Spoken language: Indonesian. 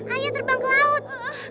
ayo terbang ke laut